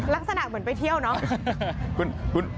ลักษณะเหมือนไปเที่ยวเนอะ